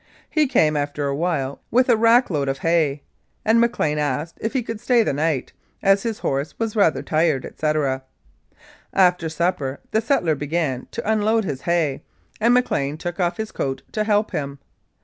He came, after a while, with a rack load of hay, and McLean asked if he could stay the night, as his horse was rather tired, etc. After supper the settler began to unload his hay, and McLean took off his coat to help him.